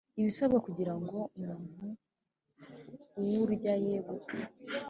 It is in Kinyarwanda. ibisabwa kugirango ngo umuntu uwurya ye gupfa